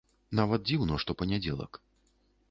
Нават дзіўна, што панядзелак.